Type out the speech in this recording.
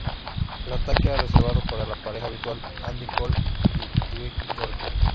El ataque era reservado para la pareja habitual: Andy Cole y Dwight Yorke.